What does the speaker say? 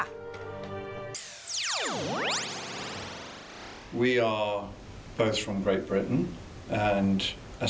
อักษรรุลภรรยาย